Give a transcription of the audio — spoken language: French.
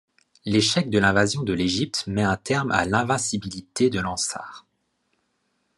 L'échec de l'invasion de l'Égypte met un terme à l'invincibilité de l'Ansar.